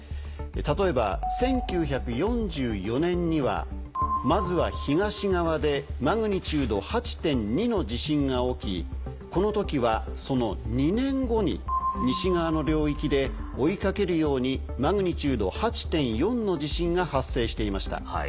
例えば１９４４年にはまずは東側でマグニチュード８．２の地震が起きこの時はその２年後に西側の領域で追いかけるようにマグニチュード８．４の地震が発生していました。